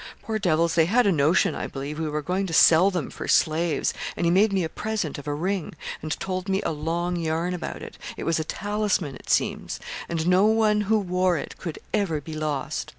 Poor devils, they had a notion, I believe, we were going to sell them for slaves, and he made me a present of a ring, and told me a long yarn about it. It was a talisman, it seems, and no one who wore it could ever be lost.